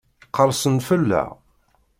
Qerrsen-d fell-aɣ?